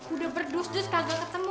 udah berdus dus kagak ketemu